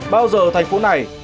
bao giờ thành phố này